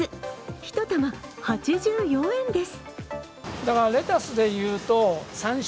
１玉８４円です。